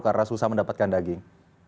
karena susah mendapatkan daging